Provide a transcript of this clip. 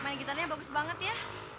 main gitarnya bagus banget ya